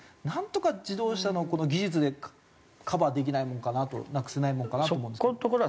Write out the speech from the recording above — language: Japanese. なんとか自動車のこの技術でカバーできないもんかなとなくせないもんかなと思うんですけど。